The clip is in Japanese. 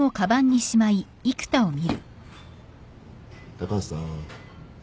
高橋さん。